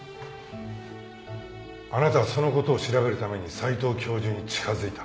あなたはその事を調べるために斎藤教授に近づいた。